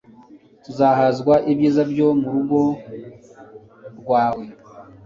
Tuzahazwa ibyiza byo mu rugo rwawe